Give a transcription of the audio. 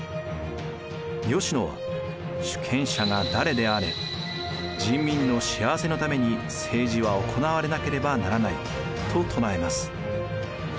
吉野は「主権者が誰であれ人民の幸せのために政治は行われなければならない」と唱えます。